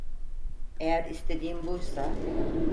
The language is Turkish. Eğer istediğin buysa…